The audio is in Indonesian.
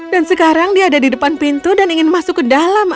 dan sekarang dia ada di depan pintu dan ingin masuk ke dalam ayah